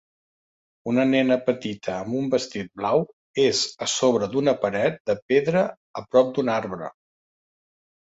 Una nena petita amb un vestit blau és a sobre d'una paret de pedra a prop d'un arbre.